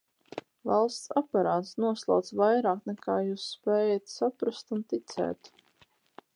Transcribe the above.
Valsts aparāts noslauc vairāk, nekā jūs spējat saprast un ticēt!